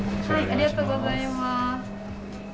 ありがとうございます。